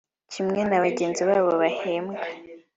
kimwe na bagenzi babo bahembwe